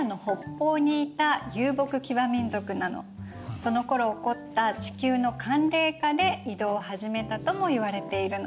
そのころ起こった地球の寒冷化で移動を始めたともいわれているの。